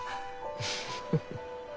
フフフフッ。